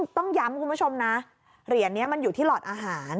ต้องย้ำคุณผู้ชมนะเหรียญนี้มันอยู่ที่หลอดอาหาร